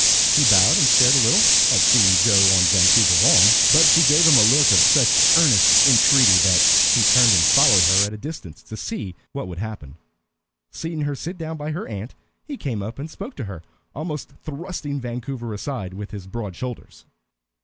He bowed and stared a little at seeing Joe on Vancouver's arm, but she gave him a look of such earnest entreaty that he turned and followed her at a distance to see what would happen. Seeing her sit down by her aunt, he came up and spoke to her, almost thrusting Vancouver aside with his broad shoulders.